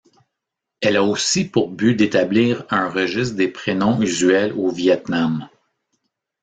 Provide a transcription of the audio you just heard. Elle a aussi pour but d'établir un registre des prénoms usuels au Viêt Nam.